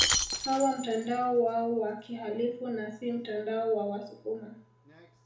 Hawa mtandao wao wa kihalifu na si mtandao wa wasukuma